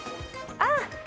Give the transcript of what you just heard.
あっ！